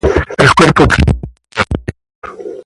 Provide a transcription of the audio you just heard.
El cuerpo presenta otras heridas.